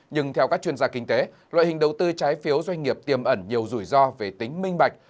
nhưng theo các chuyên gia kinh tế loại hình đầu tư trái phiếu doanh nghiệp tiềm ẩn nhiều rủi ro về tính minh bạch